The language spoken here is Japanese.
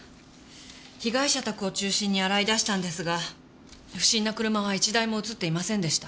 被害者宅を中心に洗い出したんですが不審な車は一台も映っていませんでした。